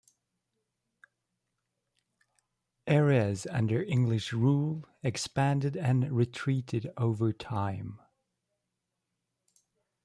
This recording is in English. Areas under English rule expanded and retreated over time.